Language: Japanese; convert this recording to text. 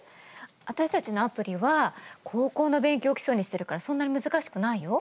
私たちのアプリは高校の勉強を基礎にしてるからそんなに難しくないよ。